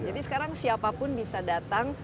jadi sekarang siapapun bisa datang